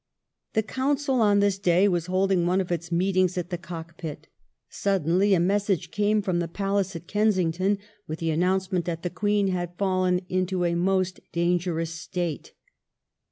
The Council on this day was holding one of its meetings at the Cockpit. Suddenly a message came from the Palace at Kensington with the announce ment that the Queen had fallen into a most dangerous state.